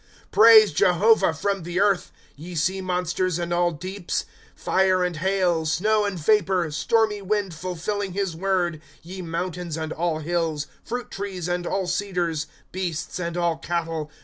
^ Praise Jehovah, from the earth ; Ye sea monsters, and all deeps ;^ Fire and hail, snow and vapor, Stormy wind fidfiUing his word ;' Ye mountahis and all hills, 3?rult trees, and all cedars ; Beasts, and all cattle.